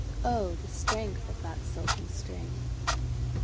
Oh! the strength of that silken string!"